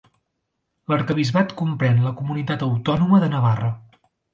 L'arquebisbat comprèn la comunitat autònoma de Navarra.